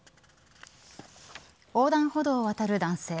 横断歩道を渡る男性。